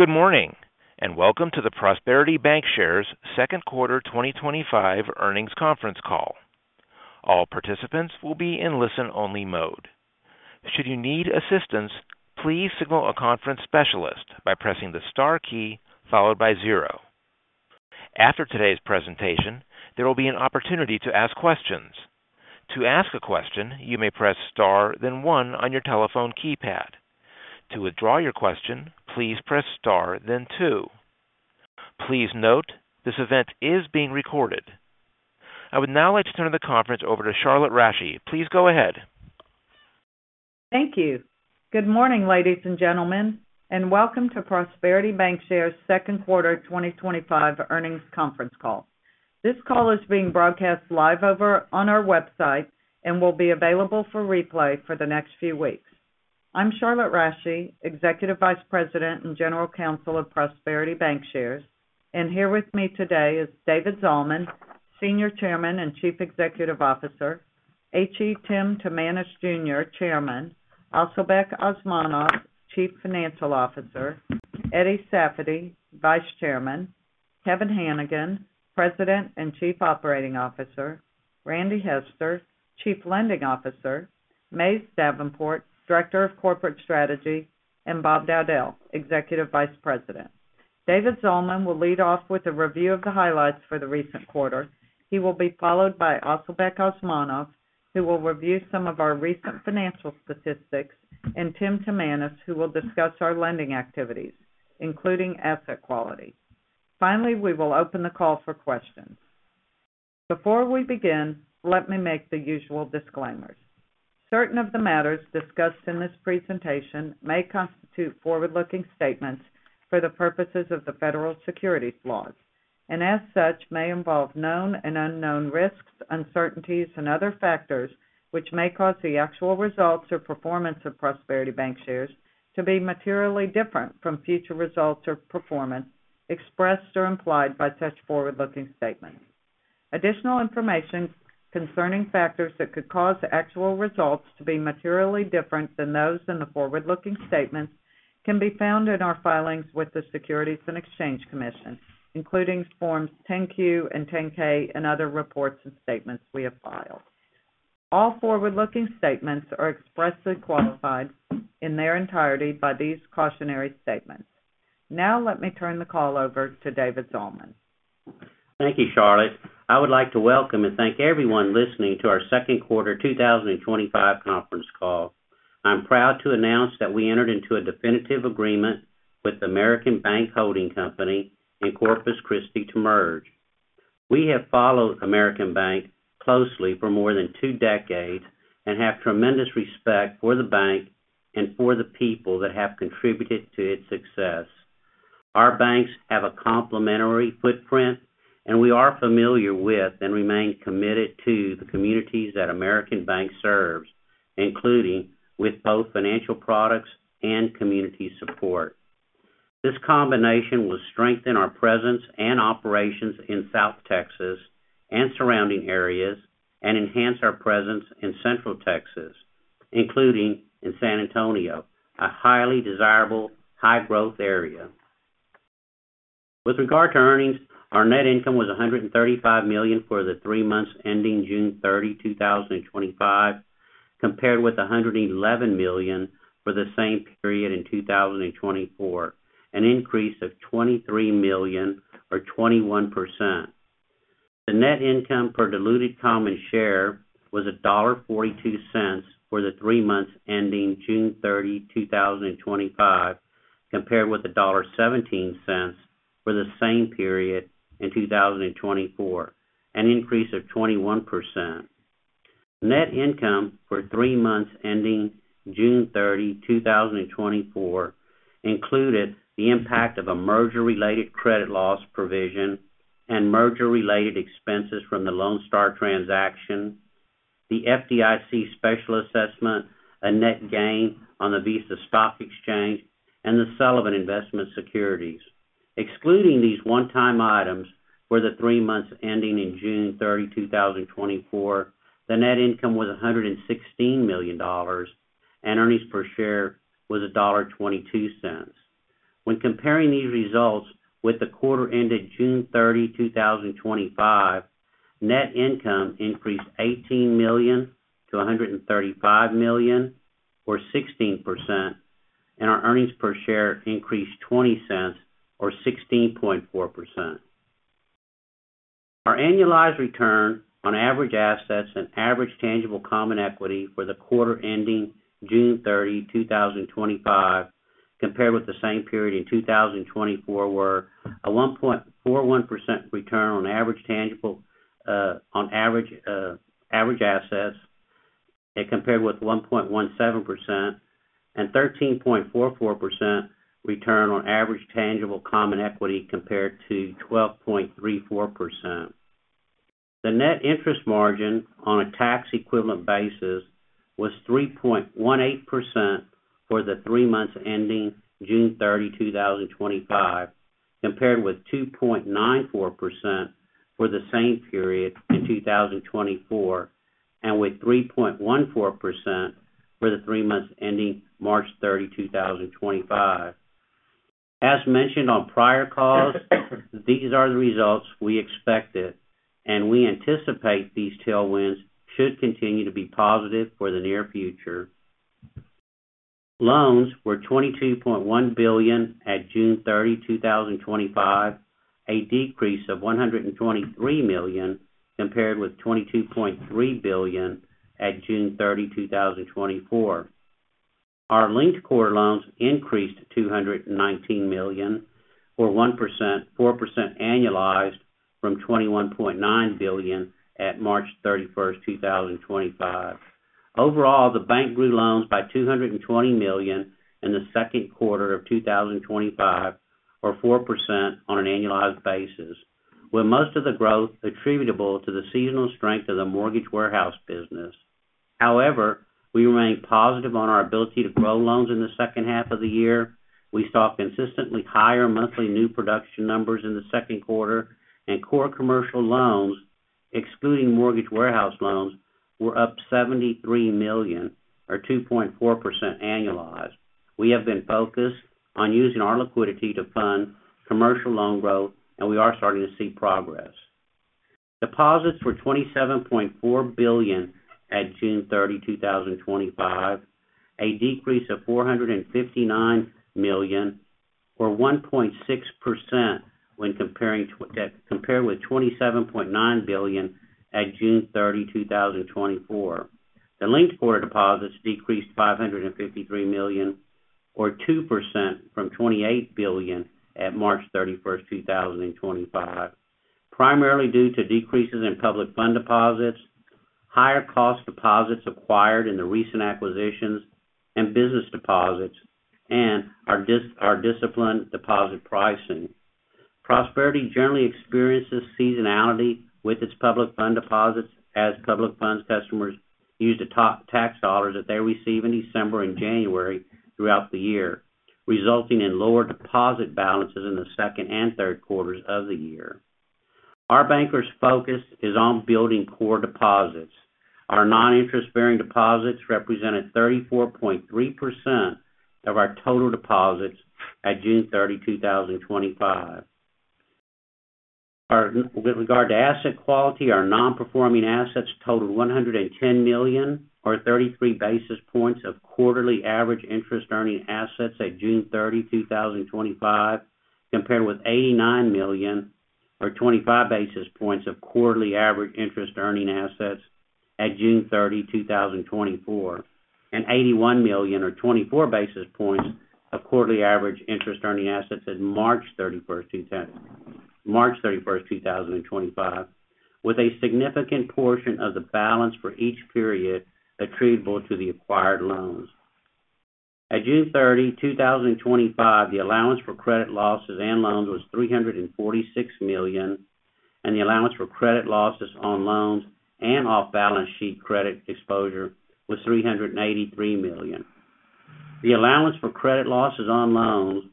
Good morning and welcome to the Prosperity Bancshares Second Quarter 2025 Earnings conference call. All participants will be in listen-only mode. Should you need assistance, please signal a conference specialist by pressing the star key followed by zero. After today's presentation, there will be an opportunity to ask questions. To ask a question, you may press star then one on your telephone keypad. To withdraw your question, please press star then two. Please note this event is being recorded. I would now like to turn the conference over to Charlotte Rasche. Please go ahead. Thank you. Good morning, ladies and gentlemen, and welcome to Prosperity Bancshares Second Quarter 2025 Earnings conference call. This call is being broadcast live over on our website and will be available for replay for the next few weeks. I'm Charlotte Rasche, Executive Vice President and General Counsel of Prosperity Bancshares, and here with me today is David Zalman, Senior Chairman and Chief Executive Officer. H. E. Tim Timanus Jr., Chairman, Asylbek Osmonov, Chief Financial Officer, Eddie Safady, Vice Chairman, Kevin Hanigan, President and Chief Operating Officer, Randy Hester, Chief Lending Officer, Mays Davenport, Director of Corporate Strategy, and Bob Dowdell, Executive Vice President. David Zalman will lead off with a review of the highlights for the recent quarter. He will be followed by Asylbek Osmonov, who will review some of our recent financial statistics, and Tim Timanus, who will discuss our lending activities, including asset quality. Finally, we will open the call for questions. Before we begin, let me make the usual disclaimers. Certain of the matters discussed in this presentation may constitute forward-looking statements for the purposes of the federal securities laws and as such may involve known and unknown risks, uncertainties, and other factors which may cause the actual results or performance of Prosperity Bancshares to be materially different from future results or performance expressed or implied by such forward-looking statements. Additional information concerning factors that could cause actual results to be materially different than those in the forward-looking statements can be found in our filings with the Securities and Exchange Commission, including Forms 10-Q and 10-K and other reports and statements we have filed. All forward-looking statements are expressly qualified in their entirety by these cautionary statements. Now let me turn the call over to David Zalman. Thank you, Charlotte. I would like to welcome and thank everyone listening to our second quarter 2025 conference call. I'm proud to announce that we entered into a definitive agreement with the American Bank Holding Company in Corpus Christi to merge. We have followed American Bank closely for more than two decades and have tremendous respect for the bank and for the people that have contributed to its success. Our banks have a complementary footprint and we are familiar with and remain committed to the communities that American Bank serves, including with both financial products and community support. This combination will strengthen our presence and operations in South Texas and surrounding areas and enhance our presence in Central Texas, including in San Antonio, a highly desirable high growth area. With regard to earnings, our net income was $135 million for the three months ending June 30, 2025, compared with $111 million for the same period in 2024, an increase of $23 million or 21%. The net income per diluted common share was $1.42 for the three months ending June 30, 2025, compared with $1.17 for the same period in 2024, an increase of 21%. Net income for the three months ending June 30, 2024, included the impact of a merger related credit loss provision and merger related expenses from the Lone Star transaction, the FDIC Special Assessment, a net gain on the Visa Stock Exchange, and the Sullivan Investment Securities. Excluding these one time items, for the three months ending June 30, 2024, the net income was $116 million and earnings per share was $1.22. When comparing these results with the quarter ended June 30, 2025, net income increased $18 million-$135 million or 16%, and our earnings per share increased $0.20 or 16.4%. Our annualized return on average assets and average tangible common equity for the quarter ending June 30, 2025, compared with the same period in 2024, were a 1.41% return on average assets compared with 1.17% and 13.44% return on average tangible common equity compared to 12.34%. The net interest margin on a tax-equivalent basis was 3.18% for the three months ending June 30, 2025, compared with 2.94% for the same period in 2024 and with 3.14% for the three months ending March 30, 2025. As mentioned on prior calls, these are the results we expected and we anticipate these tailwinds should continue to be positive for the near future. Loans were $22.1 billion at June 30, 2025, a decrease of $123 million compared with $22.3 billion at June 30, 2024. Our linked core loans increased $219 million or 1%, 4% annualized, from $21.9 billion at March 31, 2025. Overall, the bank grew loans by $220 million in the second quarter of 2025 or 4% on an annualized basis, with most of the growth attributable to the seasonal strength of the mortgage warehouse business. However, we remain positive on our ability to grow loans in the second half of the year. We saw consistently higher monthly new production numbers in the second quarter, and core commercial loans, excluding mortgage warehouse loans, were up $73 million or 2.4% annualized. We have been focused on using our liquidity to fund commercial loan growth, and we are starting to see progress. Deposits were $27.4 billion at June 30, 2025, a decrease of $459 million or 1.6% when compared with $27.9 billion at June 30, 2024. The linked quarter deposits decreased $553 million or 2% from $28 billion at March 31, 2025, primarily due to decreases in public fund deposits, higher cost deposits acquired in the recent acquisitions and business deposits, and our disciplined deposit pricing. Prosperity generally experiences seasonality with its public fund deposits. As public funds customers use the tax dollars that they receive in December and January throughout the year, this results in lower deposit balances in the second and third quarters of the year. Our bankers' focus is on building core deposits. Our non-interest bearing deposits represented 34.3% of our total deposits at June 30, 2025. With regard to asset quality, our non-performing assets totaled $110 million or 33 basis points of quarterly average interest earning assets at June 30, 2025, compared with $89 million or 25 basis points of quarterly average interest earning assets at June 30, 2024, and $81 million or 24 basis points of quarterly average interest earning assets at March 31, 2025, with a significant portion of the balance for each period attributable to the acquired loans. At June 30, 2025, the allowance for credit losses on loans was $346 million, and the allowance for credit losses on loans and off-balance sheet credit exposure was $383 million. The allowance for credit losses on loans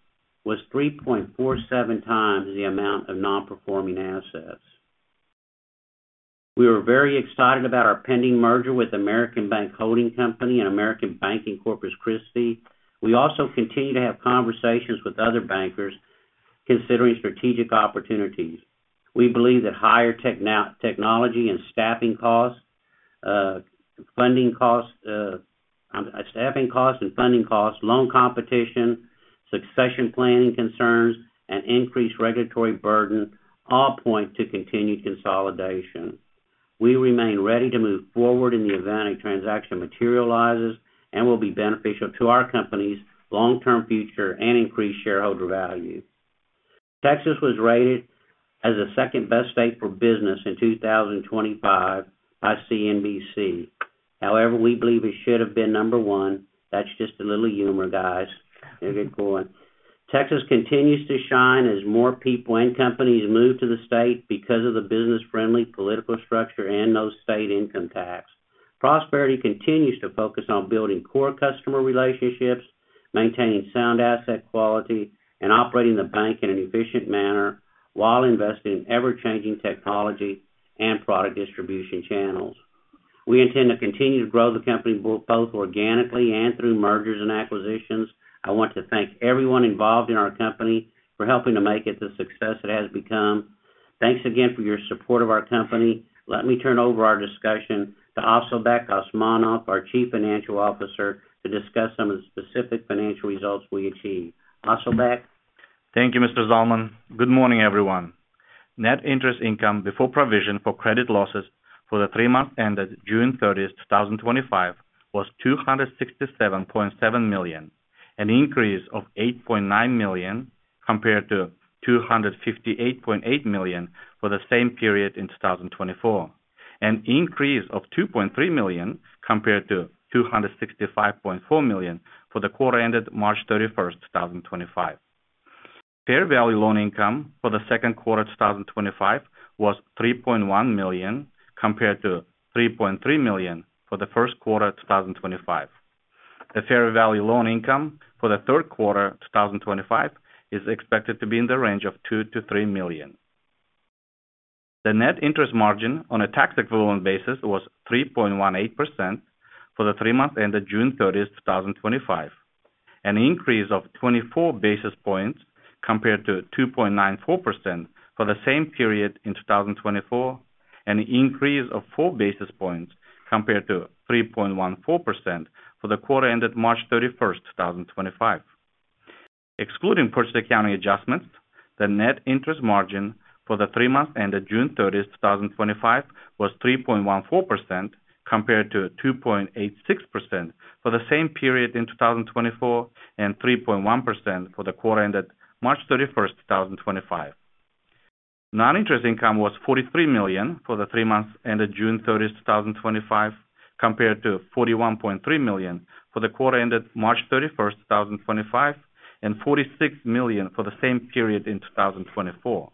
was 3.47 times the amount of non-performing assets. We are very excited about our pending merger with American Bank Holding Company and American Bank of Corpus Christi. We also continue to have conversations with other bankers considering strategic opportunities. We believe that higher technology and staffing costs, funding costs, staffing costs and funding costs, loan competition, succession planning concerns, and increased regulatory burden all point to continued consolidation. We remain ready to move forward in the event a transaction materializes and will be beneficial to our company's long-term future and increase shareholder value. Texas was rated as the second best state for business in 2025 by CNBC. However, we believe it should have been number one. That's just a little humor, guys. Texas continues to shine as more people and companies move to the state because of the business-friendly political structure and no state income tax. Prosperity continues to focus on building core customer relationships, maintaining sound asset quality, and operating the bank in an efficient manner while investing in ever-changing technology and product distribution channels. We intend to continue to grow the company both organically and through mergers and acquisitions. I want to thank everyone involved in our company for helping to make it the success it has become. Thanks again for your support of our company. Let me turn over our discussion to Asylbek Osmonov, our Chief Financial Officer, to discuss some of the specific financial results we achieved. Asylbek, thank you Mr. Zalman. Good morning everyone. Net interest income before provision for credit losses for the three months ended June 30, 2025 was $257.7 million, an increase of $8.9 million compared to $258.8 million for the same period in 2024, an increase of $2.3 million compared to $255.4 million for the quarter ended March 31, 2025. Fair value loan income for the second quarter 2025 was $3.1 million compared to $3.3 million for the first quarter 2025. The fair value loan income for the third quarter 2025 is expected to be in the range of $2-$3 million. The net interest margin on a tax-equivalent basis was 3.18% for the three months ended June 30, 2025, an increase of 24 basis points compared to 2.94% for the same period in 2024, an increase of 4 basis points compared to 3.14% for the quarter ended March 31, 2025. Excluding purchase accounting adjustments, the net interest margin for the three months ended June 30, 2025 was 3.14% compared to 2.86% for the same period in 2024 and 3.10% for the quarter ended March 31, 2025. Non-interest income was $43 million for the three months ended June 30, 2025 compared to $41.3 million for the quarter ended March 31, 2025 and $46 million for the same period in 2024.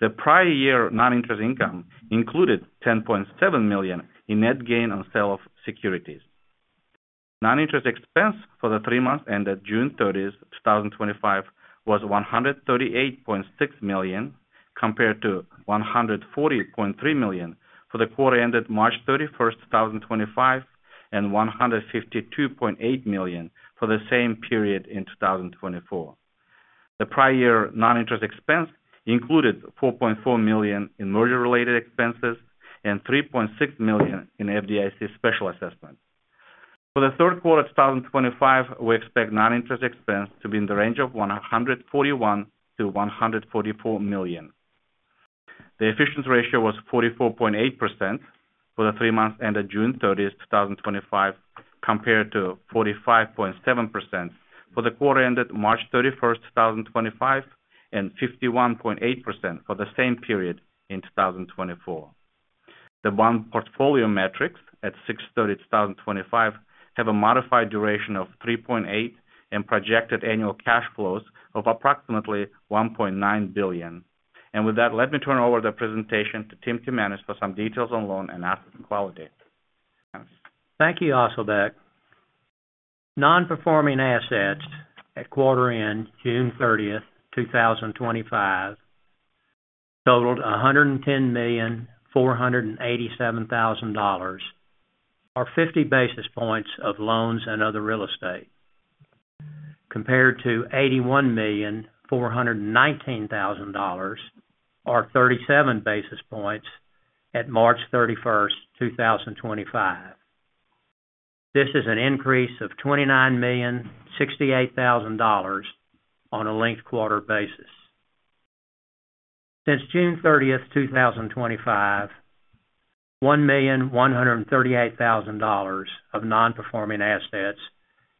The prior year non-interest income included $10.7 million in net gain on sale of securities. Non-interest expense for the three months ended June 30, 2025 was $138.6 million compared to $140.3 million for the quarter ended March 31, 2025 and $152.8 million for the same period in 2024. The prior year non-interest expense included $4.4 million in merger related expenses and $3.6 million in FDIC special assessment. For the third quarter 2025, we expect non-interest expense to be in the range of $141 to $144 million. The efficiency ratio was 44.8% for the three months ended June 30, 2025 compared to 45.7% for the quarter ended March 31, 2025 and 51.8% for the same period in 2024. The bond portfolio metrics at June 30, 2025 have a modified duration of 3.8 and projected annual cash flows of approximately $1.9 billion and with that let me turn over the presentation to Tim Timanus for some details on loan and asset quality. Thank you. Asylbek, non-performing assets at quarter end June 30, 2025, totaled $110,487,000 or 0.50% of loans and other real estate, compared to $81,419,000 or 0.37 basis points at March 31, 2025. This is an increase of $29,068,000 on a linked quarter basis. Since June 30, 2025, $1,138,000 of non-performing assets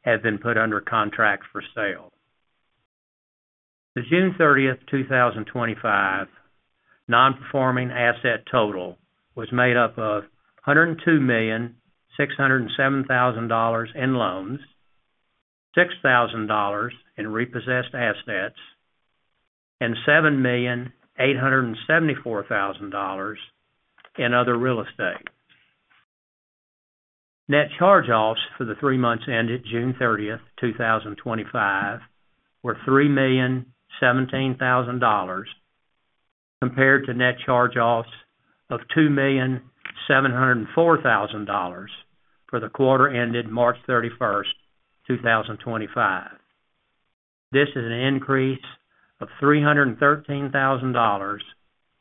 have been put under contract for sale. The June 30, 2025, non-performing asset total was made up of $102,607,000 in loans, $6,000 in repossessed assets, and $7,874,000 in other real estate. Net charge-offs for the three months ended June 30, 2025, were $3,017,000 compared to net charge-offs of $2,704,000 for the quarter ended March 31, 2025. This is an increase of $313,000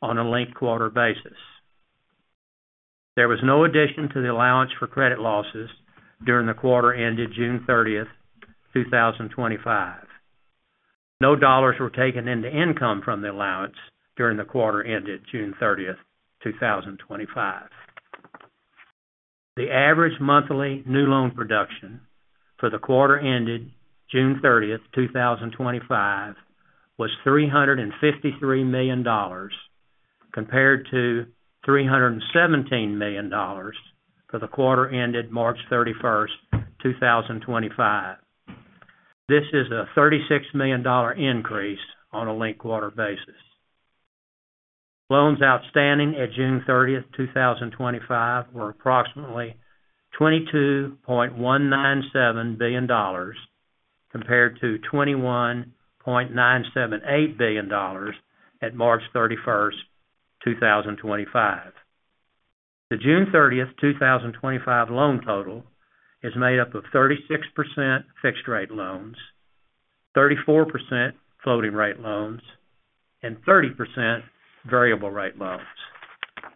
on a linked quarter basis. There was no addition to the allowance for credit losses during the quarter ended June 30, 2025. No dollars were taken into income from the allowance during the quarter ended June 30, 2025. The average monthly new loan production for the quarter ended June 30, 2025, was $353 million, compared to $317 million for the quarter ended March 31, 2025. This is a $36 million increase on a linked quarter basis. Loans outstanding at June 30, 2025, were approximately $22.197 billion, compared to $21.978 billion at March 31, 2025. The June 30, 2025, loan total is made up of 36% fixed rate loans, 34% floating rate loans, and 30% variable rate loans.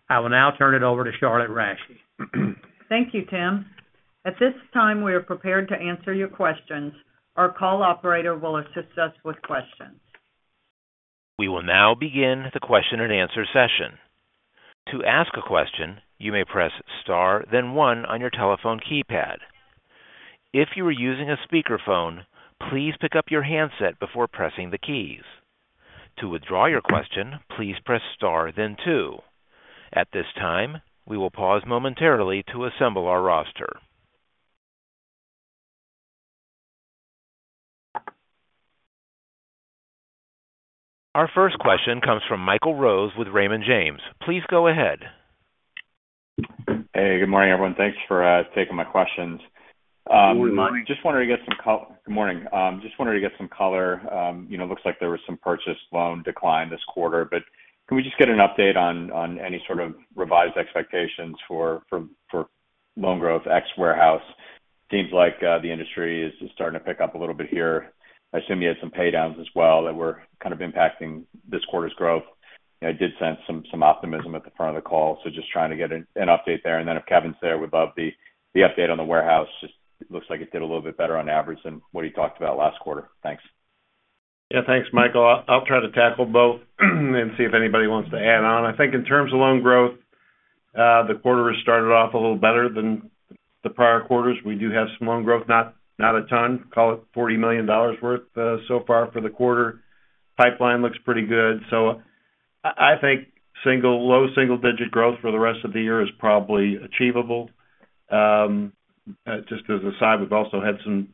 I will now turn it over to Charlotte Rasche. Thank you, Tim. At this time, we are prepared to answer your questions. Our call operator will assist us with questions. We will now begin the question and answer session. To ask a question, you may press star then one on your telephone keypad. If you are using a speakerphone, please pick up your handset before pressing the keys. To withdraw your question, please press star then two. At this time, we will pause momentarily to assemble our roster. Our first question comes from Michael Rose with Raymond James. Please go ahead. Hey, good morning, everyone. Thanks for taking my questions. Just wanted to get some color, you know, looks like there was some purchase loan decline this quarter, but can we just get an update on any sort of revised expectations for loan growth ex warehouse? Seems like the industry is starting to pick up a little bit here. I assume you had some pay downs as well that were kind of impacting this quarter's growth. I did sense some optimism at the front of the call. Just trying to get an update there and then if Kevin's there, would love the update on the warehouse. Just looks like it did a little bit better on average than what he talked about last quarter. Thanks. Yes, thanks, Michael. I'll try to tackle both and see if anybody wants to add on. I think in terms of loan growth, the quarter has started off a little better than the prior quarters. We do have some loan growth, not a ton. Call it $40 million worth so far for the quarter. Pipeline looks pretty good. I think low single digit growth for the rest of the year is probably achievable. Just as a side, we've also had some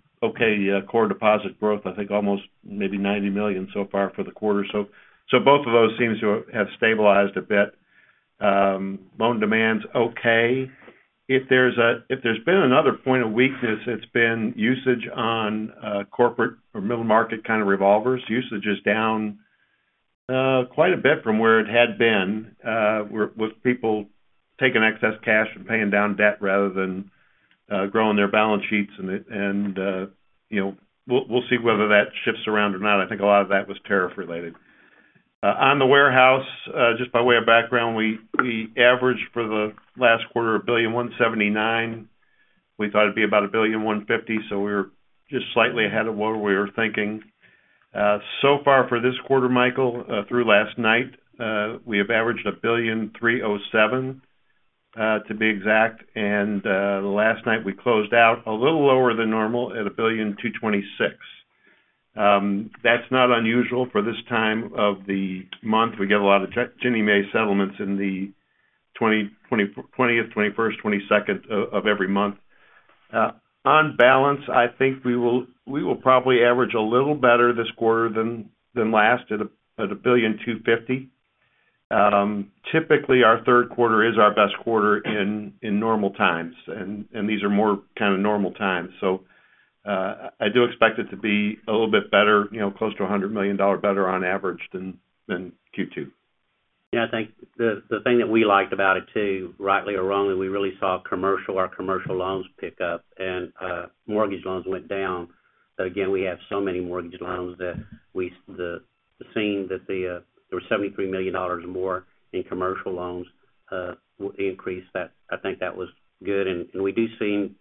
core deposit growth. I think almost maybe $90 million so far for the quarter. Both of those seem to have stabilized a bit. Loan demand's okay. If there's been another point of weakness, it's been usage on corporate or middle market kind of revolvers. Usage is down quite a bit from where it had been with people taking excess cash and paying down debt rather than growing their balance sheets. We'll see whether that shifts around or not. I think a lot of that was tariff related on the warehouse. Just by way of background, we averaged for the last quarter $1.179 billion. We thought it'd be about $1.150 billion, so we were just slightly ahead of what we were thinking. So far for this quarter, Michael, through last night we have averaged $1.307 billion, to be exact. Last night we closed out a little lower than normal at $1.226 billion. That's not unusual for this time of the month. We get a lot of Ginnie Mae settlements in the 20th, 21st, 22nd of every month. On balance, I think we will probably average a little better this quarter than last at $1.250 billion. Typically our third quarter is our best quarter in normal times and these are more kind of normal times. I do expect it to be a little bit better, close to $100 million better on average than Q2. Yeah, I think the thing that we liked about it too, rightly or wrongly, we really saw commercial, our commercial loans pick up and mortgage loans went down. We have so many mortgage loans that we seen that there were $73 million more in commercial loans increase. I think that was good. We do seem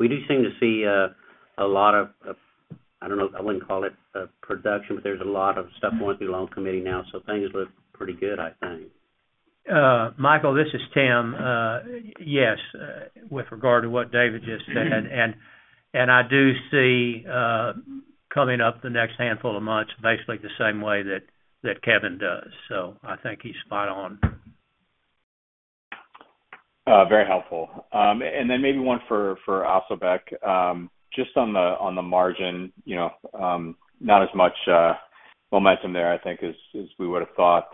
to see a lot of, I don't know, I wouldn't call it production, but there's a lot of stuff going through the loan committee now. Things look pretty good, I think. Michael, this is Tim. Yes. With regard to what David just said, I do see coming up the next handful of months basically the same way that Kevin does. I think he's spot on. Very helpful. Maybe one for Asylbek just on the margin. Not as much momentum there, I think, as we would have thought.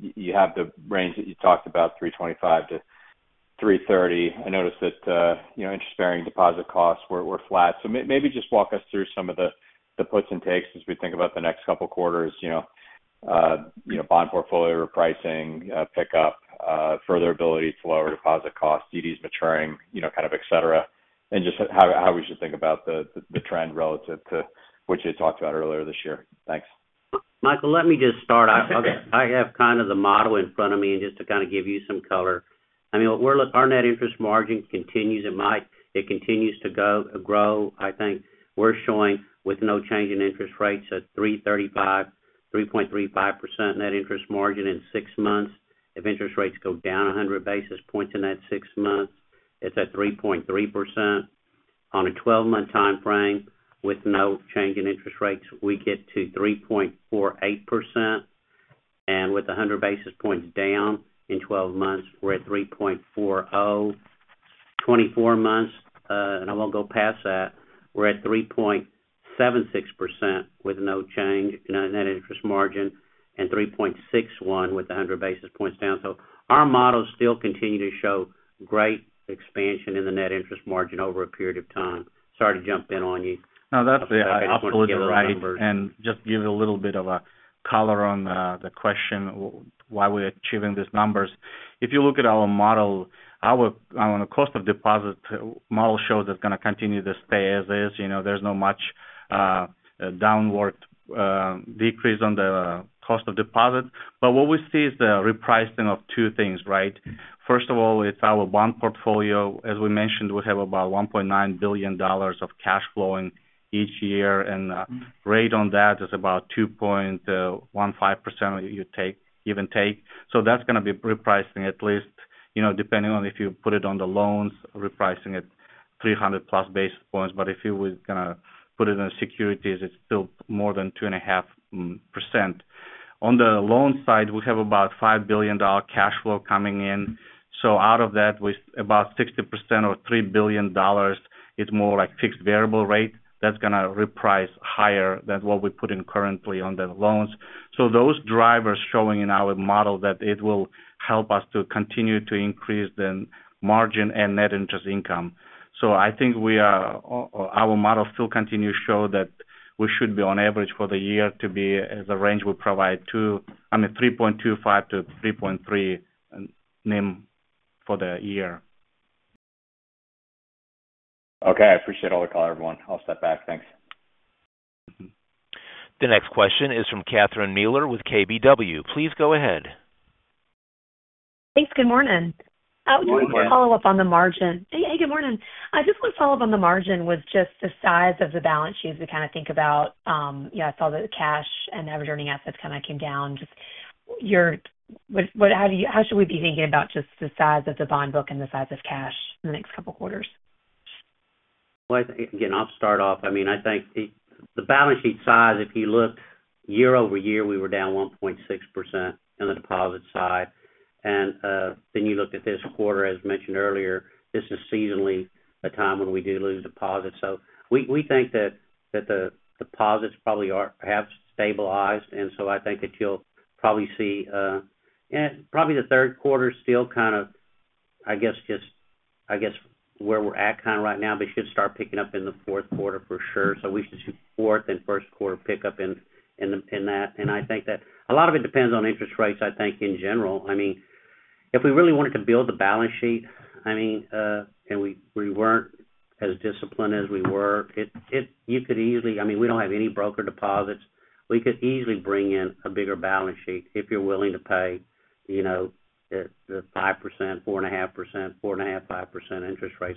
You have the range that you talked about, 3.25 to—I noticed that interest-bearing deposit costs were flat. Maybe just walk us through some of the puts and takes as we think about the next couple quarters. Bond portfolio repricing, pickup, further ability to lower deposit costs, CDs maturing, kind of, et cetera, and just how we should think about the trend relative to what you talked about earlier this year. Thanks, Michael. Let me just start. I have kind of the model in front of me and just to kind of give you some color. I mean our net interest margin continues. It continues to grow. I think we're showing with no change in interest rates at 3.35% net interest margin in six months. If interest rates go down 100 basis points in that six months, it's at 3.3%. On a 12-month time frame with no change in interest rates, we get to 3.48%, and with 100 basis points down in 12 months, we're at 3.40%. Twenty-four months, and I won't go past that, we're at 3.76% with no change in net interest margin and 3.61% with 100 basis points down. Our models still continue to show great expansion in the net interest margin over a period of time. Sorry to jump in on you now. That's numbers and just give a little bit of a color on the question why we're achieving these numbers. If you look at our model, our cost of deposit model shows that it's going to continue to stay as is. There's not much downward decrease on the cost of deposit. What we see is the repricing of two things, right. First of all, it's our bond portfolio. As we mentioned, we have about $1.9 billion of cash flow each year and rate on that is about 2.15%. You take give and take. That's going to be repricing at least, you know, depending on if you put it on the loans, repricing at 300 plus basis points. If you were going to put it on securities, it's still more than 2.5%. On the loan side, we have about $5 billion cash flow coming in. Out of that, about 60% or $3 billion, it's more like fixed variable rate that's going to reprice higher than what we put in currently on the loans. Those drivers showing in our model that it will help us to continue to increase the margin and net interest income. I think our model still continues to show that we should be on average for the year to be as a range we provide, 3.25% to 3.3% NIM for the year. Okay, I appreciate all the call, everyone. I'll step back. Thanks. The next question is from Catherine Mealor with KBW. Please go ahead. Thanks. Good morning. Follow up on the margin. Good morning. I just want to follow up on the margin with just the size of the balance sheet as we kind of think about it. I saw that the cash and average earning assets kind of came down. How should we be thinking about just the size of the bond book and the size of cash in the next couple quarters? I think the balance sheet size, if you look year over year, we were down 1.6% on the deposit side. If you look at this quarter, as mentioned earlier, this is seasonally a time when we do lose deposits. We think that the deposits probably have stabilized. I think that you'll probably see the third quarter still kind of where we're at right now, but it should start picking up in the fourth quarter for sure. We should see fourth and first quarter pickup in that. I think that a lot of it depends on interest rates. I think in general, if we really wanted to build the balance sheet, and we weren't as disciplined as we were, you could easily, I mean, we don't have any broker deposits. We could easily bring in a bigger balance sheet if you're willing to pay the 5%, 4.5%, 4.5%, 5% interest rate.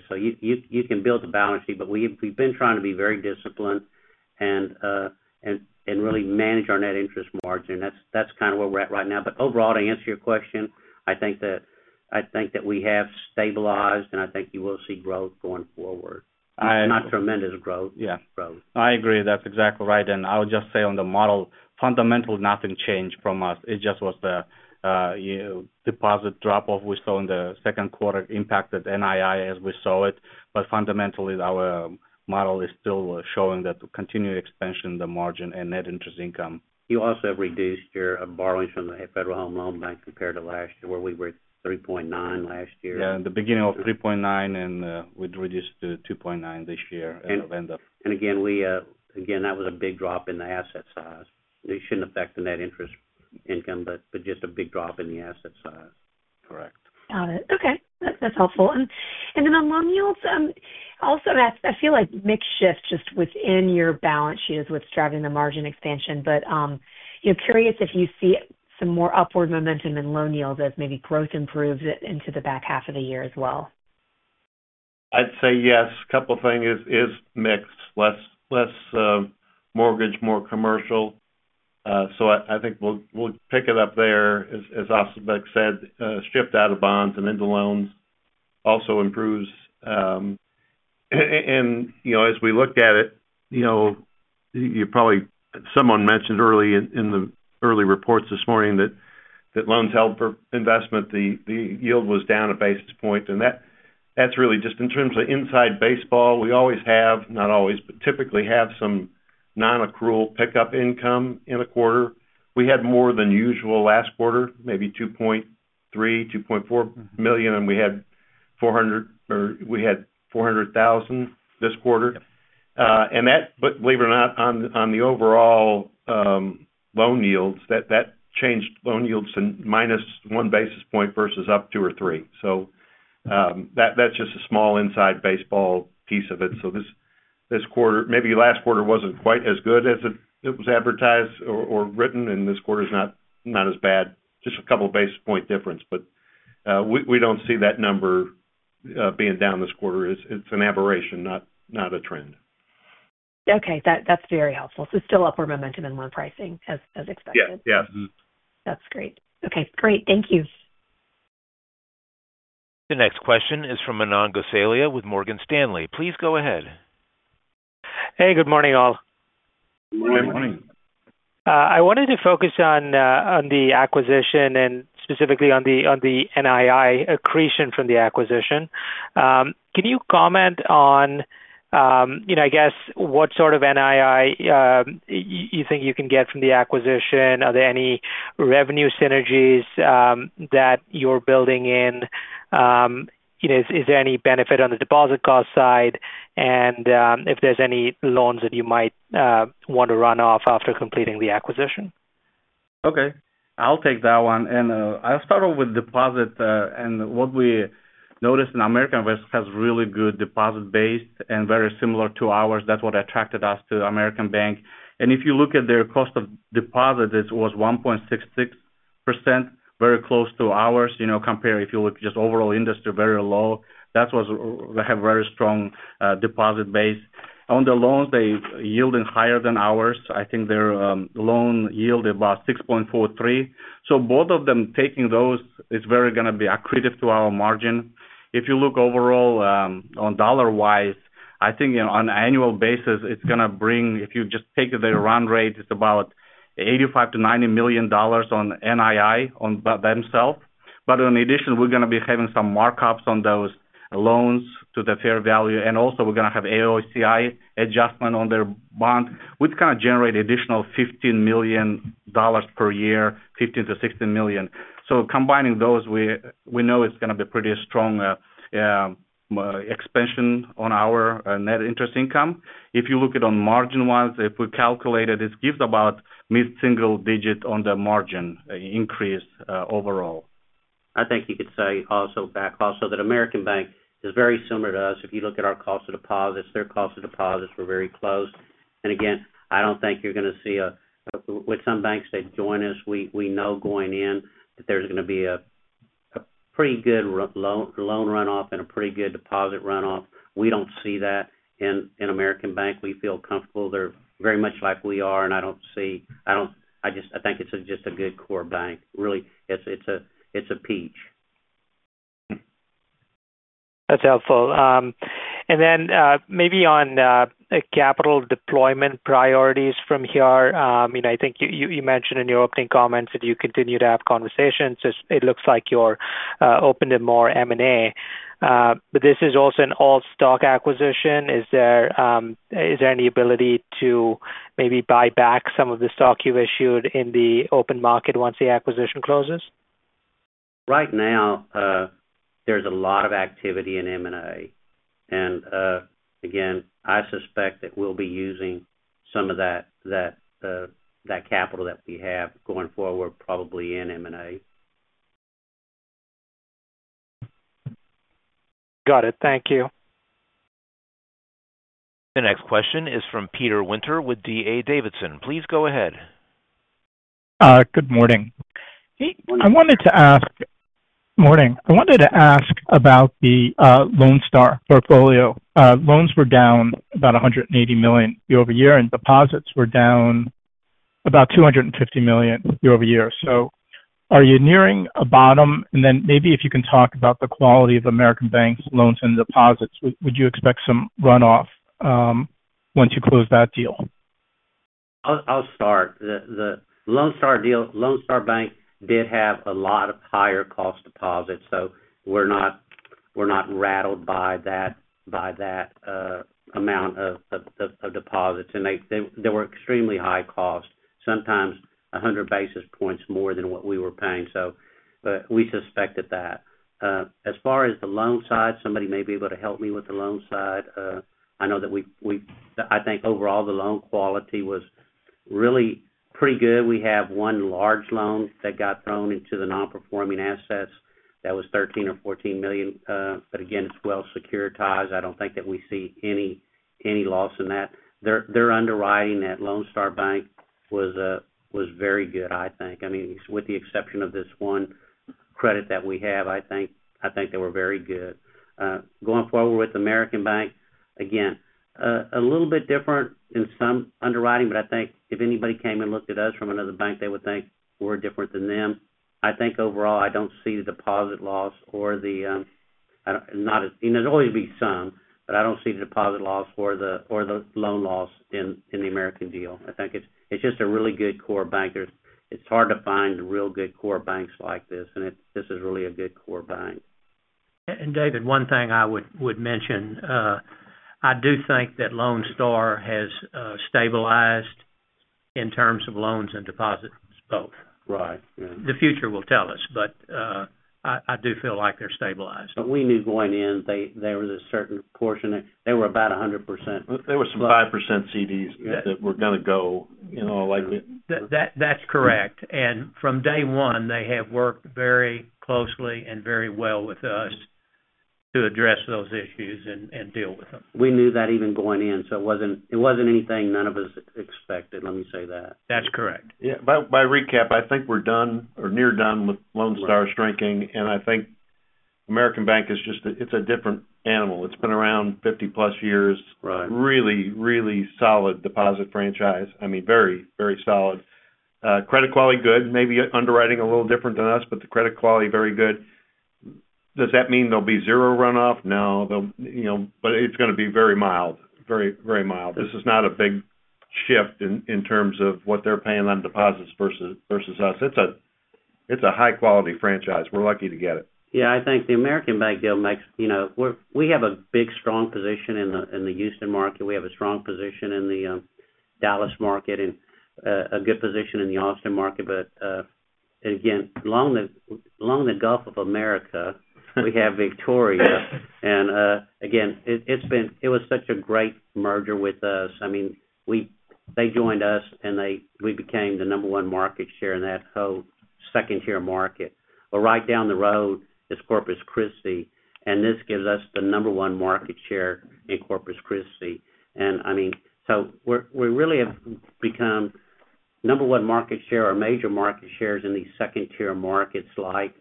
You can build a balance sheet, but we've been trying to be very disciplined and really manage our net interest margin. That's kind of where we're at right now. Overall, to answer your question, I think that we have stabilized and I think you will see growth going forward, not tremendous growth. I agree. That's exactly right. I would just say on the model, fundamentally nothing changed from us. It just was the deposit drop off we saw in the second quarter impacted NII as we saw it. Fundamentally, our model is still showing that continued expansion, the margin and net interest income. You also have reduced your borrowings from the Federal Home Loan Bank compared to last year, where we were $3.9 billion last year. Yeah, in the beginning it was 3.9 and we'd reduced to 2.9 this year. That was a big drop in the asset size. It shouldn't affect the net interest income, but just a big drop in the asset size. Correct, Got it. Okay, that's helpful. On loan yields also, I feel like mix shift just within your balance sheet is what's driving the margin expansion. Curious if you see some more upward momentum in loan yields as maybe growth improves into the back half of the year as well. I'd say yes, a couple things is mix less mortgage, more commercial. I think we'll pick it up there. As Asylbek said, shift out of bonds and into loans also improves. As we look at it, you probably, someone mentioned early in the early reports this morning that loans held for investment, the yield was down a basis point. That's really just in terms of inside baseball. We always have, not always, but typically have some non-accrual pickup income in a quarter. We had more than usual last quarter, maybe $2.3, $2.4 million, and we had $400,000 this quarter. Believe it or not, on the overall loan yields, that changed loan yields to minus 1 basis point versus up 2 or 3. That's just a small inside baseball piece of it. This quarter, maybe last quarter wasn't quite as good as it was advertised or written. This quarter is not as bad. Just a couple of basis point difference. We don't see that number being down this quarter. It's an aberration, not a trend. Okay, that's very helpful. Still upward momentum in loan pricing as expected. Yes, that's great. Okay, great. Thank you. The next question is from Manan Gosalia with Morgan Stanley. Please go ahead. Hey, good morning all. I wanted to focus on the acquisition and specifically on the NII accretion from the acquisition. Can you comment on I guess what sort of NII you think you can get from the acquisition? Are there any revenue synergies that you're building in? Is there any benefit on the deposit cost side, and if there's any loans that you might want to run off after completing the acquisition? Okay, I'll take that one and I'll start off with deposit. What we're noticing is American has a really good deposit base and very similar to ours. That's what attracted us to American Bank. If you look at their cost of deposit, this was 1.66%, very close to ours. If you look just overall industry, very low, they have a very strong deposit base. On the loans, they yielded higher than ours. I think their loan yield is about 6.43%. Both of them, taking those, is going to be accretive to our margin. If you look overall on dollar wise, I think on an annual basis it's going to bring, if you just take the run rate, it's about $85-$90 million on NII by themselves. In addition, we're going to be having some markups on those loans to the fair value. We're also going to have AOCI adjustment on their bond, which can generate additional $15 million per year, $15-$16 million. Combining those, we know it's going to be pretty strong expansion on our net interest income. If you look at on margin wise, if we calculate it, it gives about mid single digit on the margin increase overall. I think you could say also that American Bank is very similar to us. If you look at our cost of deposits, their cost of deposits were very close. I don't think you're going to see with some banks that join us. We know going in that there's going to be a pretty good loan runoff and a pretty good deposit runoff. We don't see that in American Bank. We feel comfortable. They're very much like we are. I don't see. I think it's just a good core bank. Really it's a peach. That's helpful. Maybe on capital deployment priorities from here, I think you mentioned in your opening comments that you continue to have conversations. It looks like you're open to more M&A, but this is also an all stock acquisition. Is there any ability to maybe buy back some of the stock you issued in the open market once the acquisition closes? Right now there's a lot of activity in M&A, and again I suspect that we'll be using some of that capital that we have going forward, probably in M&A. Got it. Thank you. The next question is from Peter Winter with D.A. Davidson. Please go ahead. Good morning. I wanted to ask about the Lone Star portfolio. Loans were down about $180 million year-over-year and deposits were down about $250 million year-over-year. Are you nearing a bottom, and maybe if you can talk about the quality of American Bank Holding Corporation's loans and deposits, would you expect some runoff once you close that deal? I'll start the Lone Star deal. Lone Star State Bank did have a lot of higher cost deposits, so we're not rattled by that amount of deposits, and they were extremely high cost, sometimes 100 basis points more than what we were paying. We suspected that. As far as the loan side, somebody may be able to help me with the loan side. I know that we, I think overall the loan quality was really pretty good. We have one large loan that got thrown into the non-performing assets that was $13-$14 million. Again, it's well securitized. I don't think that we see any loss in that. Their underwriting at Lone Star Bank was very good. I think, with the exception of this one credit that we have, they were very good. Going forward with American Bank, again a little bit different in some underwriting, but I think if anybody came and looked at us from another bank, they would think we're different than them. I think overall, I don't see the deposit loss or the—there'll always be some, but I don't see the deposit loss or the loan loss in the American deal. I think it's just a really good core bank. It's hard to find real good core banks like this, and this is really a good core bank. David, one thing I would mention, I do think that Lone Starhas stabilized in terms of loans and deposits both. Right. The future will tell us, but I do feel like they're stabilized. We knew going in they were the certain portion, they were about 100%. There were some 5% CDs that were going to go, you know. That's correct. From day one they have worked very closely and very well with us to address those issues and deal with them. We knew that even going in. It wasn't anything none of us expected. Let me say that that's correct. Yeah. By recap, I think we're done or near done with Lone Star shrinking. I think American Bank is just, it's a different animal. It's been around 50+ years. Really, really solid deposit franchise. I mean, very, very solid. Credit quality good. Maybe underwriting a little different than us, but the credit quality very good. Does that mean there'll be zero runoff? No, but it's going to be very mild. Very, very mild. This is not a big shift in terms of what they're paying on deposits versus us. It's a high quality franchise. We're lucky to get it. Yeah, I think the American Bank deal makes, you know, we have a big, strong position in the Houston market. We have a strong position in the Dallas market and a good position in the Austin market. Again, along the Gulf of America we have Victoria. It was such a great merger with us. I mean, they joined us and we became the number one market share in that whole second tier market. Right down the road is Corpus Christi, and this gives us the number one market share in Corpus Christi. I mean, we really have become number one market share or major market shares in these second tier markets like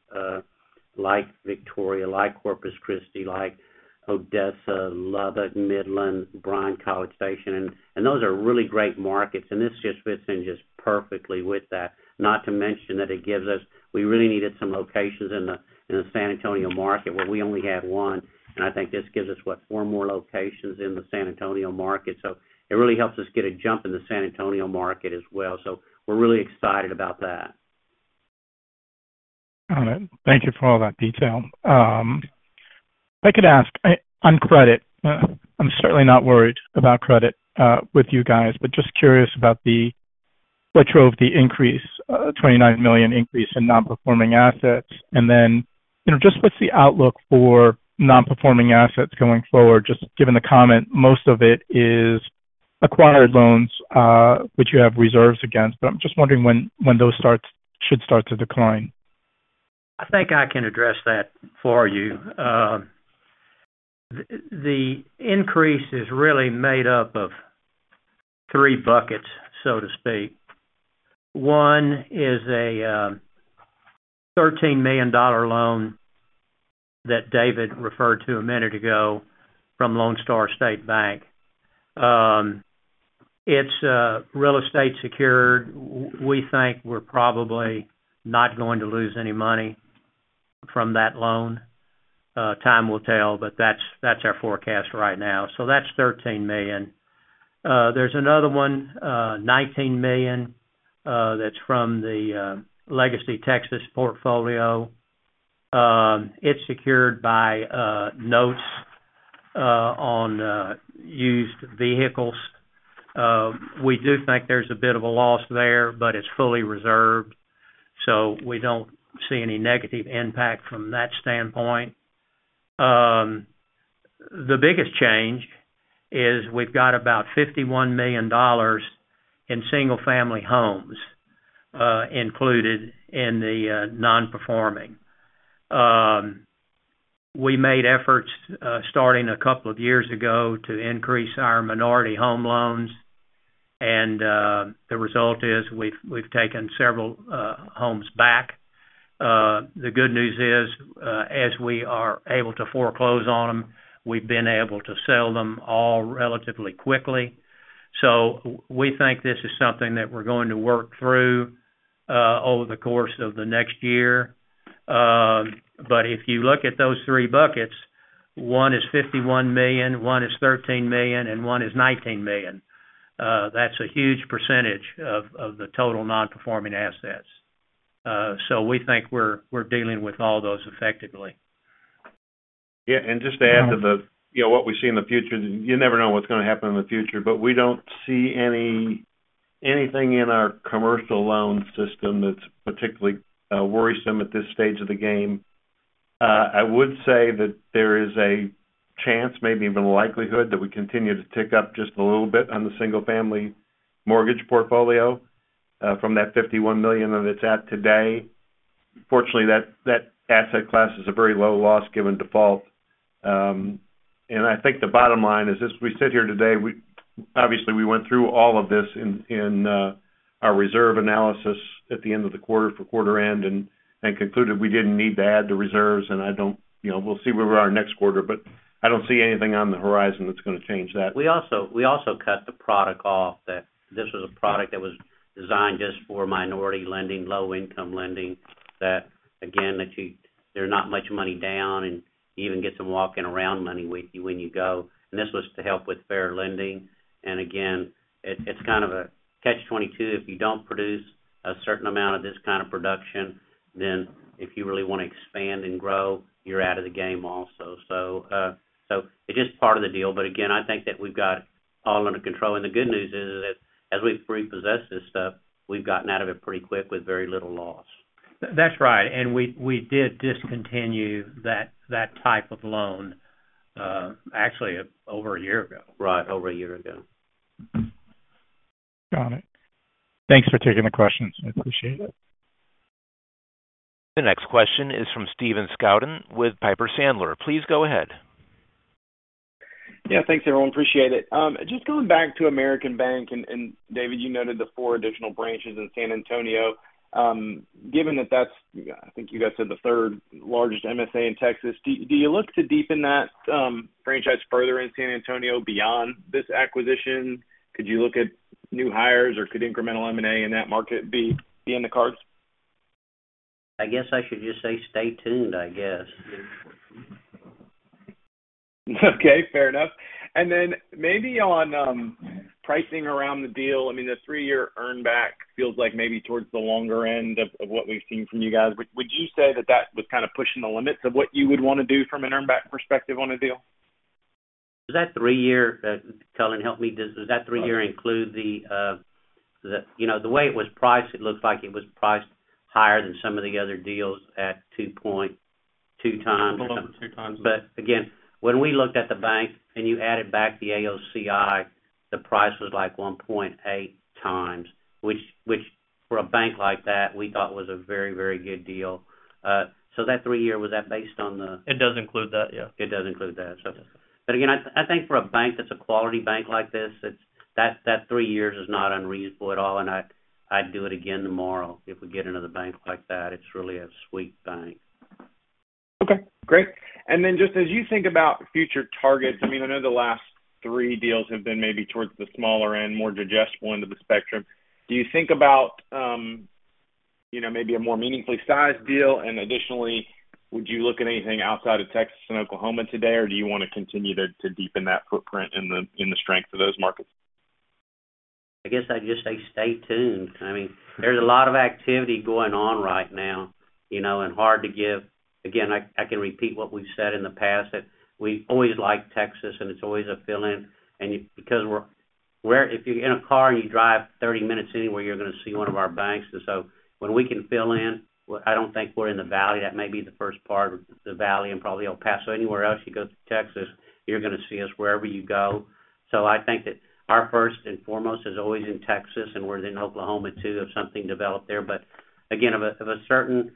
Victoria, like Corpus Christi, like Odessa, Lubbock, Midland, Bryan, College Station. Those are really great markets, and this just fits in just perfectly with that. Not to mention that it gives us, we really needed some locations in the San Antonio market where we only had one. I think this gives us, what, four more locations in the San Antonio market. It really helps us get a jump in the San Antonio market as well. We're really excited about that. Thank you for all that detail. I could ask on credit, I'm certainly not worried about credit with you guys, but just curious about what drove the increase. $29 million increase in non-performing assets, and then, you know, just what's the outlook for non-performing assets going forward? Just given the comment, most of it is acquired loans which you have reserves against, but I'm just wondering when those should start to decline. I think I can address that for you. The increase is really made up of three buckets, so to speak. One is a $13 million loan that David referred to a minute ago from Lone Star State Bank. It's real estate secured. We think we're probably not going to lose any money from that loan. Time will tell, but that's our forecast right now. That's $13 million. There's another one, $19 million. That's from the LegacyTexas portfolio. It's secured by notes on used vehicles. We do think there's a bit of a loss there, but it's fully reserved, so we don't see any negative impact from that standpoint. The biggest change is we've got about $51 million in single family homes included in the non-performing. We made efforts starting a couple of years ago to increase our minority home loan products, and the result is we've taken several homes back. The good news is as we are able to foreclose on them, we've been able to sell them all relatively quickly. We think this is something that we're going to work through over the course of the next year. If you look at those three buckets, one is $51 million, one is $13 million, and one is $19 million. That's a huge percentage of the total non-performing assets. We think we're dealing with all those effectively. Yeah. Just to add to what we see in the future, you never know what's going to happen in the future, but we don't see anything in our commercial loan system that's particularly worrisome at this stage of the game. I would say that there is a chance, maybe even likelihood, that we continue to tick up just a little bit on the single family mortgage portfolio from that $51 million that it's at today. Fortunately, that asset class is a very low loss given default. I think the bottom line is as we sit here today, obviously we went through all of this in our reserve analysis at the end of the quarter for quarter end and concluded we didn't need to add the reserves. We'll see where we are next quarter, but I don't see anything on the horizon that's going to change that. We also cut the product off. This was a product that was designed just for minority lending, low income lending, that again there's not much money down and even get some walking around money when you go. This was to help with fair lending. It's kind of a catch 22. If you don't produce a certain amount of this kind of production, then if you really want to expand and grow, you're out of the game also. It's just part of the deal. I think that we've got all under control and the good news is as we repossess this stuff, we've gotten out of it pretty quick with very little loss. That's right. We did discontinue that type of loan actually over a year ago. Right, over a year ago. Got it. Thanks for taking the questions, I appreciate it. The next question is from Steven Scouten with Piper Sandler. Please go ahead. Yeah, thanks everyone. Appreciate it. Just going back to American Bank and David, you noted the four additional branches in San Antonio. Given that that's, I think you guys said the third largest MSA in Texas. Do you look to deepen that franchise further in San Antonio beyond this acquisition? Could you look at new hires or could incremental M&A in that market be in the cards? I guess I should just say stay tuned. Okay, fair enough. Then maybe on pricing around the deal, I mean the three year earn back feels like maybe towards the longer end of what we've seen from you guys. Would you say that that was kind of pushing the limits of what you would want to do from an earn back perspective on a deal that three year. Scouten, help me, does that three year include the, you know, the way it was priced? It looks like it was priced higher than some of the other deals at 2.2 times. When we looked at the bank and you added back the AOCI, the price was like 1.8 times, which for a bank like that we thought was a very, very good deal. That three year, was that based on the. It does include that. Yeah, it does include that. For a bank that's a quality bank like this, that three years is not unreasonable at all. I'd do it again tomorrow. If we get another bank like that, it's really a sweet bank. Okay, great. As you think about future targets, I know the last three deals have been maybe towards the smaller end, more digestible end of the spectrum. Do you think about maybe a more meaningfully sized deal? Additionally, would you look at anything outside of Texas and Oklahoma today, or do you want to continue to deepen that footprint in the strength of those markets? I guess I'd just say stay tuned. There's a lot of activity going on right now, and hard to give. I can repeat what we've said in the past, that we always like Texas and it's always a fill in, and because if you're in a car and you drive 30 minutes anywhere, you're going to see one of our banks. When we can fill in, I don't think we're in the valley. That may be the first part of the valley and probably El Paso. Anywhere else you go, Texas, you're going to see us wherever you go. I think that our first and foremost is always in Texas and we're in Oklahoma too if something developed there. Again, of a certain,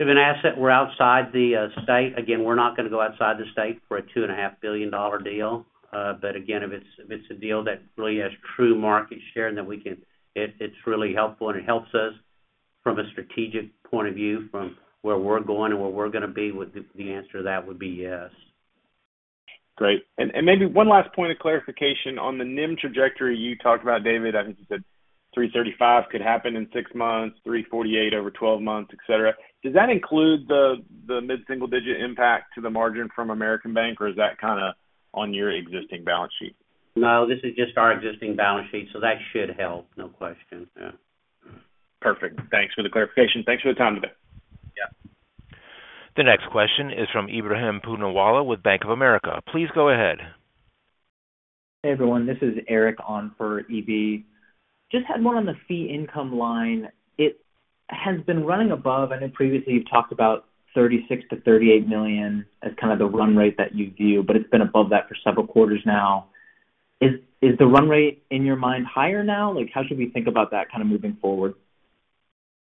of an asset, we're outside the state. We're not going to go outside the state for a $2.5 billion deal. If it's a deal that really has true market share that we can, it's really helpful and it helps us from a strategic point of view from where we're going and where we're going to be. The answer to that would be yes. Great. Maybe one last point of clarification on the NIM trajectory you talked about, David, I think you said 3.35% could happen in six months, 3.48% over 12 months, et cetera. Does that include the mid single digit impact to the margin from American Bank or is that kind of on your existing balance sheet? No, this is just our existing balance sheet. That should help. No question. Perfect. Thanks for the clarification. Thanks for the time today. The next question is from Ebrahim Poonawala with Bank of America. Please go ahead. Hey everyone, this is Eric on for Eb. Just had one on the fee income line. It has been running above. I know previously you've talked about $36-$38 million as kind of the run rate that you view, but it's been above that for several quarters now. Is the run rate in your mind higher now? Like how should we think about that kind of moving forward?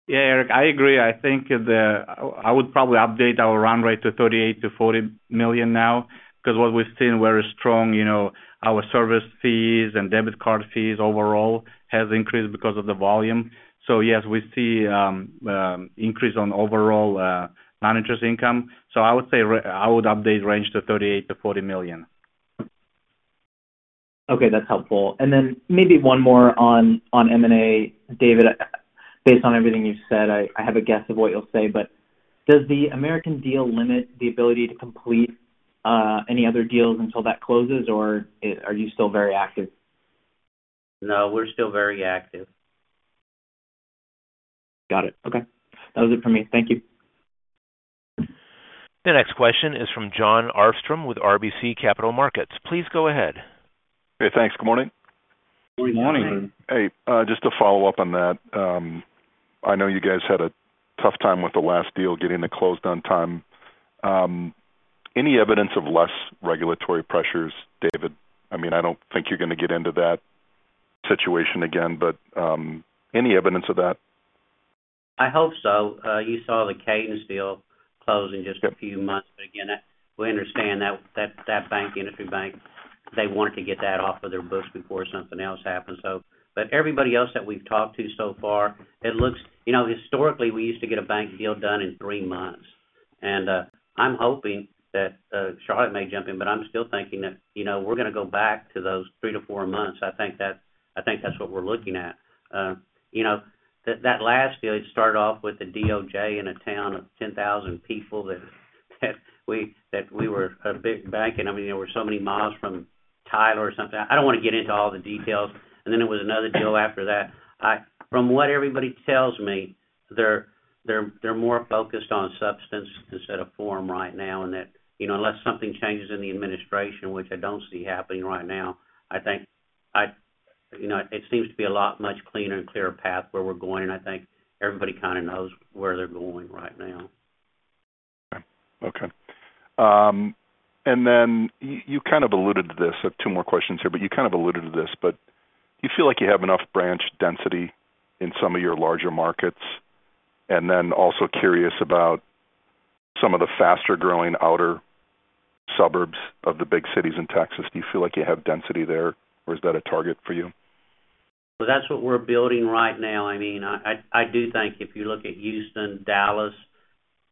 Yeah, Eric, I agree. I think I would probably update our run rate to $38-$40 million now because we've seen very strong, you know, our service fees and debit card fees overall have increased because of the volume. Yes, we see increase on overall non-interest income. I would say I would update range to $38-$40 million. Okay, that's helpful. Maybe one more on M&A. David, based on everything you said, I have a guess of what you'll say, but does the American deal limit the ability to complete any other deals until that closes, or are you still very active? No, we're still very active. Got it. Okay. That was it for me. Thank you. The next question is from Jon Arfstrom with RBC Capital Markets. Please go ahead. Thanks. Good morning. Good morning. Hey, just to follow up on that, I know you guys had a tough time with the last deal, getting it closed on time. Any evidence of less regulatory pressures, David? I mean, I don't think you're going to get into that situation again, but any evidence of that? I hope so. You saw the Cadence deal close in just a few months. We understand that Bank, Industry bank, they wanted to get that off of their books before something else happens. Everybody else that we've talked to so far, it looks, you know, historically we used to get a bank deal done in three months. I'm hoping that Charlotte may jump in. I'm still thinking that, you know, we're going to go back to those three to four months. I think that's what we're looking at. That last deal, it started off with the DOJ in a town of 10,000 people, that we were a big bank and I mean, there were so many miles from Tyler or something. I don't want to get into all the details. It was another deal after that. From what everybody tells me, they're more focused on substance instead of forum right now. Unless something changes in the administration, which I don't see happening right now, it seems to be a much cleaner and clearer path where we're going. I think everybody kind of knows where they're going right now. Okay, you kind of alluded to this. Two more questions here. You kind of alluded to this, but you feel like you have enough branch density in some of your larger markets, and then also curious about some of the faster growing outer suburbs of the big cities in Texas. Do you feel like you have density there, or is that a target for you? That's what we're building right now. I mean, I do think if you look at Houston, Dallas,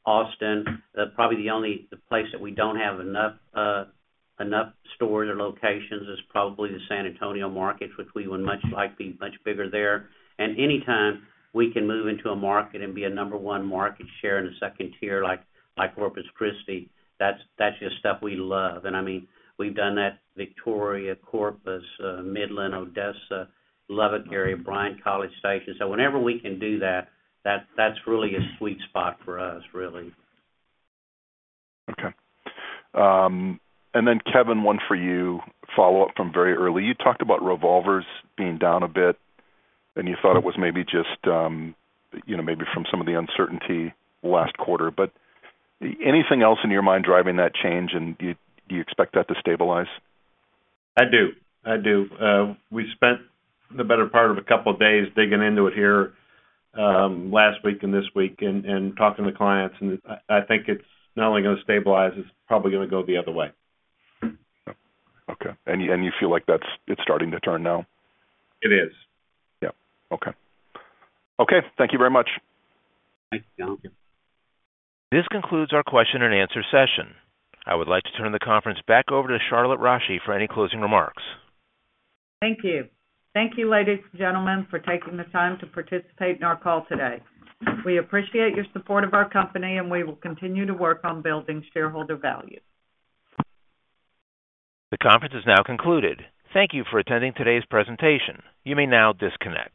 Austin, probably the only place that we don't have enough stores or locations is probably the San Antonio markets, which we would much like be much bigger there. Anytime we can move into a market and be a number one market share in the second tier, like Corpus Christi, that's just stuff we love. I mean, we've done that. Victoria, Corpus, Midland, Odessa, Lubbock area, Bryan, College Station. Whenever we can do that, that's really a sweet spot for us, really. Okay. Kevin, one for you. Follow up. From very early, you talked about revolvers being down a bit, and you thought it was maybe just, you know, maybe from some of the uncertainty last quarter. Anything else in your mind driving that change? Do you expect that to stabilize? I do. We spent the better part of a couple of days digging into it here last week and this week and talking to clients, and I think it's not only going to stabilize, it's probably going to go the other way. Okay. You feel like it's starting to turn now? It is. Okay. Thank you very much. This concludes our question and answer session. I would like to turn the conference back over to Charlotte Rasche for any closing remarks. Thank you. Thank you, ladies and gentlemen, for taking the time to participate in our call today. We appreciate your support of our company, and we will continue to work on building shareholder value. The conference is now concluded. Thank you for attending today's presentation. You may now disconnect.